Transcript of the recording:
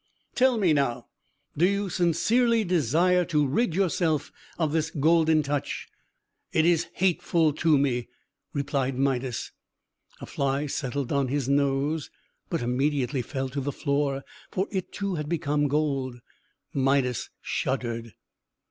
Tell me, now, do you sincerely desire to rid yourself of this Golden Touch?" "It is hateful to me!" replied Midas. A fly settled on his nose, but immediately fell to the floor; for it, too, had become gold. Midas shuddered.